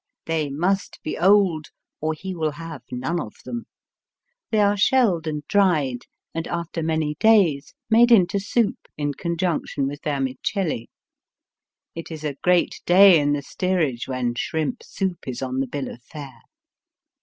They must be old, or he will have none of them. They are shelled and dried, and after many days made into soup in conjunction with vermicelli. It is a great day in the steerage when shrimp soup is on the bill of fare.